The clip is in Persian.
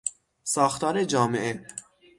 ساختار جامعه